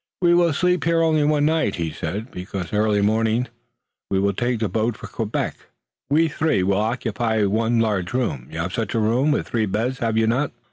"We will sleep here only one night," he said, "because early tomorrow morning we take boat for Quebec. We three will occupy one large room. You have such a room with three beds, have you not?"